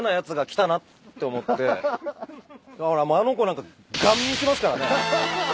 あっほらあの子なんかガン見してますからね。